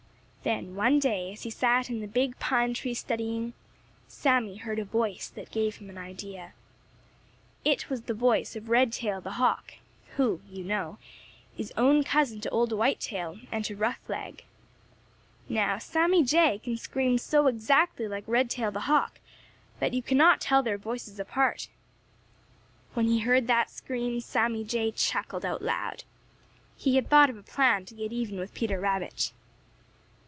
Then one day, as he sat in the big pine tree studying, Sammy heard a voice that gave him an idea. It was the voice of Redtail the Hawk, who, you know, is own cousin to old Whitetail and to Roughleg. Now Sammy Jay can scream so exactly like Redtail the Hawk that you cannot tell their voices apart. When he heard that scream, Sammy Jay chuckled out loud. He had thought of a plan to get even with Peter Rabbit.